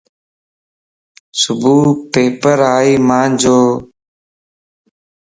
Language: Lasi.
صبح پيپرائي مانجو